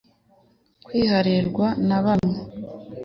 kwiharirwa na bamwe